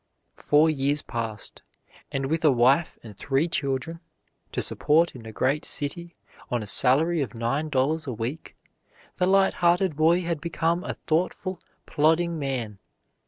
Four years passed, and with a wife and three children to support in a great city on a salary of nine dollars a week, the light hearted boy had become a thoughtful, plodding man.